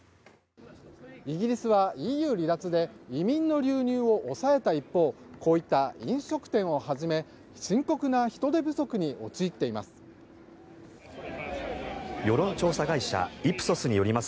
イギリスはＥＵ離脱で移民の流入を抑えた一方こういった飲食店をはじめ深刻な人手不足に陥っています。